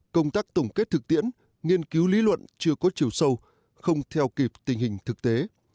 công tác tổng kết thực tiễn nghiên cứu lý luận chưa có chiều sâu không theo kịp tình hình thực tế